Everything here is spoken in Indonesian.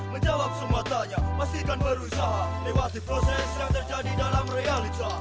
menjawab semuanya pastikan berusaha lewati proses yang terjadi dalam realita